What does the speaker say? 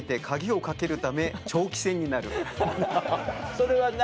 それは何？